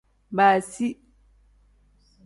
Baazi.